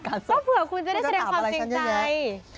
ก็เผื่อคุณจะได้แสดงความจริงใจ